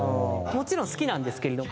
もちろん好きなんですけれど。